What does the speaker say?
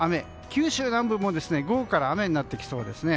九州南部も午後から雨になってきそうですね。